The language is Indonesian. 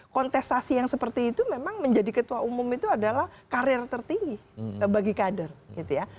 kontestasi yang seperti itu memang menjadi ketua umum itu adalah karir tertinggi bagi kader gitu ya